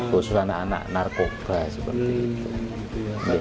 khusus anak anak narkoba seperti itu